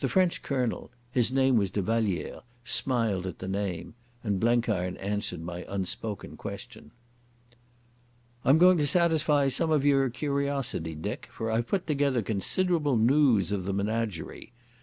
The French Colonel—his name was de Vallière—smiled at the name, and Blenkiron answered my unspoken question. "I'm going to satisfy some of your curiosity, Dick, for I've put together considerable noos of the menagerie.